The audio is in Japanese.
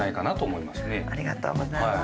ありがとうございます。